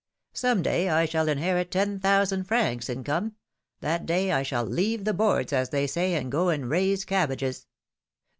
Some day I shall inherit ten thousand francs in come ; that day I shall Meave the boards,' as they say, and go and raise cabbages."